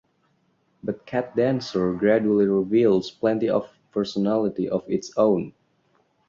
But "Cat Dancer" gradually reveals plenty of personality of its own.